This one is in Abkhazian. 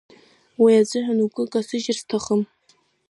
Уи азыҳәан угәы касыжьыр сҭахым.